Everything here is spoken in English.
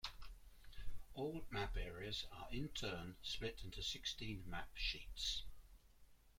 All map areas are in turn split into sixteen map sheets.